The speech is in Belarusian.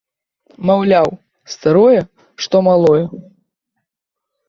Маўляў, старое, што малое.